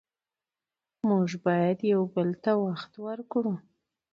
موږ باید یو بل ته وخت ورکړو